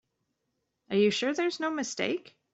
Are you sure there's no mistake?